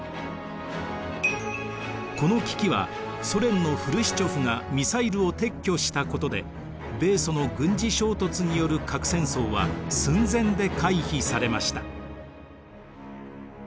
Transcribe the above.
この危機はソ連のフルシチョフがミサイルを撤去したことで米ソの軍事衝突による核戦争は寸前で回避されました。